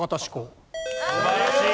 素晴らしい。